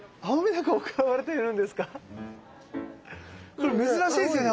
これ珍しいですよね